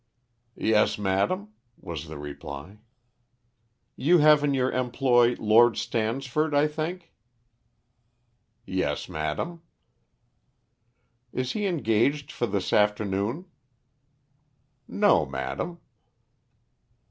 "Yes, madam," was the reply. "You have in your employ Lord Stansford, I think?" "Yes, madam." "Is he engaged for this afternoon?" "No, madam."